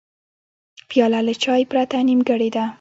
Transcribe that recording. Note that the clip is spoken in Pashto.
پیاله له چای پرته نیمګړې ده.